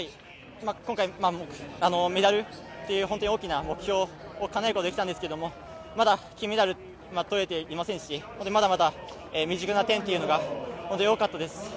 今回、メダルという大きな目標をかなえることはできたんですけどまだ金メダルが取れていませんしまだまだ、未熟な点というのが本当に多かったです。